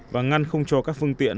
và ngăn không cho các phương tiện